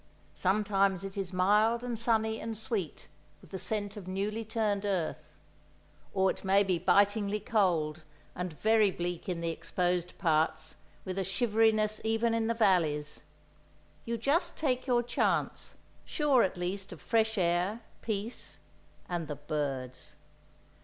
Sometimes it is mild and sunny and sweet with the scent of newly turned earth; or it may be bitingly cold, and very bleak in the exposed parts, with a shivery ness even in the valleys. You just take your chance, sure, at least, of fresh air, peace—and the birds.